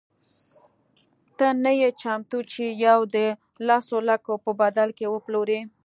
ته نه یې چمتو چې یوه د لسو لکو په بدل کې وپلورې.